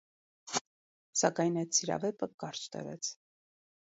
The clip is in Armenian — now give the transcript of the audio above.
Սակայն այդ սիրավեպը շատ կարճ տևեց։